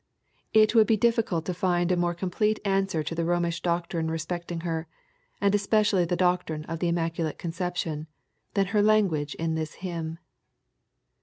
It would be difficult to find LUKE. CHAP. I. 39 a more complete answer to the Romish doctiine respecting her, and especiallj the doctrine of the immaculate conception, than her language in this hymn.